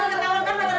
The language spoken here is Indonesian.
eh dia kan laki gua